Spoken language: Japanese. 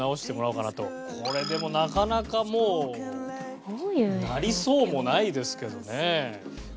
これでもなかなかもう鳴りそうもないですけどね。